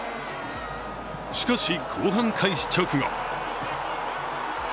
しかし、後半開始直後